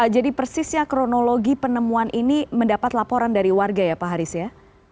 jadi persisnya kronologi penemuan ini mendapat laporan dari warga ya pak haris ya